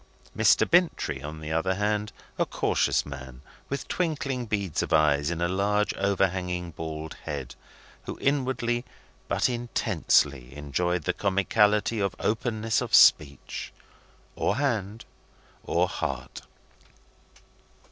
Mr. Bintrey, on the other hand, a cautious man, with twinkling beads of eyes in a large overhanging bald head, who inwardly but intensely enjoyed the comicality of openness of speech, or hand, or heart.